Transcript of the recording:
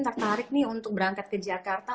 tertarik nih untuk berangkat ke jakarta